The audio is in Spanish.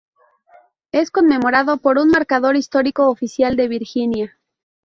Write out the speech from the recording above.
Es conmemorado por un marcador histórico oficial de Virginia.